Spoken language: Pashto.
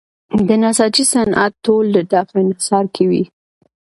د نساجۍ صنعت ټول د ده په انحصار کې وي.